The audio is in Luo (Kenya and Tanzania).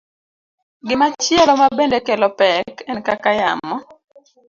Gimachielo mabende kelo pek en kaka yamo